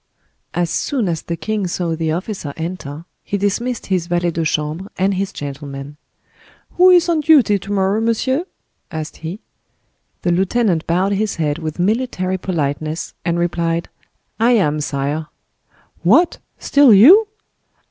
As soon as the king saw the officer enter, he dismissed his valet de chambre and his gentleman. "Who is on duty to morrow, monsieur?" asked he. The lieutenant bowed his head with military politeness, and replied, "I am, sire." "What! still you?"